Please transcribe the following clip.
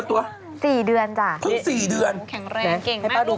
ตั้งแต่พ่อเค้าไม่อยู่